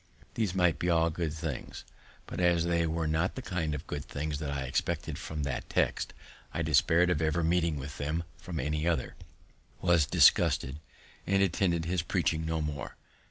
These might be all good things; but, as they were not the kind of good things that I expected from that text, I despaired of ever meeting with them from any other, was disgusted, and attended his preaching no more.